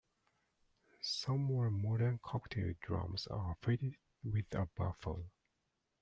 Some more modern cocktail drums are fitted with a baffle.